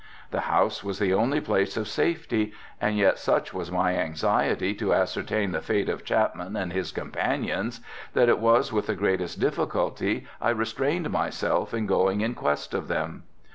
The house was the only place of safety and yet such was my anxiety to ascertain the fate of Chapman and his companions that it was with the greatest difficulty I restrained myself in going in quest of them.